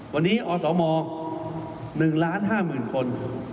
วันนี้อสม๑๕๐๐๐คน